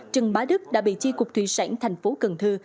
trần bá đức đã bị chi cục thủy sản thành phố cần thơ